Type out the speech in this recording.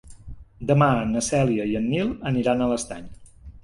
Demà na Cèlia i en Nil aniran a l'Estany.